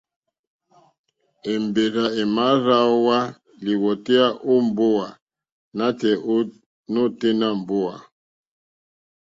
Èmbèrzà èmà dráíhwá lìwòtéyá ó mbówà nǎtɛ̀ɛ̀ nǒténá mbówà.